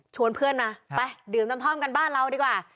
เพื่อนมาไปดื่มน้ำท่อมกันบ้านเราดีกว่า